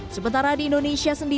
sementara di indonesia